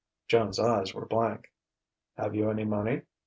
Joan's eyes were blank. "Have you any money?"